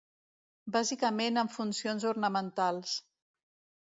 Bàsicament amb funcions ornamentals.